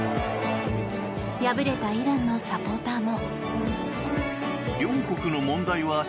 敗れたイランのサポーターも。